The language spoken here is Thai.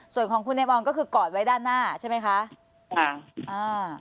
ส่วนของคุณในบอลก็คือกอดไว้ด้านหน้าใช่ไหมคะอ่า